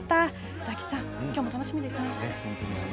大吉さん、きょうも楽しみですね。